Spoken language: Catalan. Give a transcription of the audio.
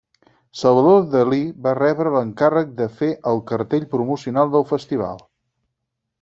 Salvador Dalí va rebre l'encàrrec de fer el cartell promocional del Festival.